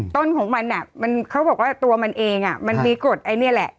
ต้นของมันเขาบอกว่าตัวมันเองมันมีกฎไอ้นี่แหละ